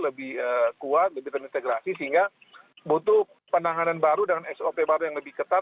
lebih kuat lebih terintegrasi sehingga butuh penanganan baru dengan sop baru yang lebih ketat